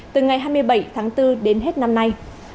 từ ngày hai mươi bảy tháng bốn đến hết năm nay